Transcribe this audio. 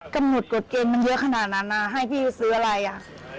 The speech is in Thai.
กำหนดกฎเกณฑ์มันเยอะขนาดนั้นนะให้พี่ซื้ออะไรอ่ะ